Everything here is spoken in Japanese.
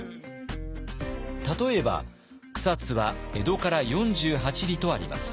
例えば草津は「江戸から四十八里」とあります。